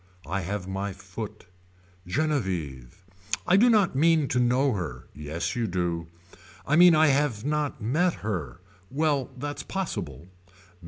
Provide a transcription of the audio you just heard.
I have my foot. Genevieve. I do not mean to know her. Yes you do. I mean I have not met her. Well that's possible.